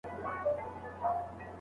خوښې غواړو غم نه غواړو عجيبه نه ده دا